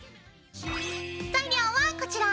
材料はこちら。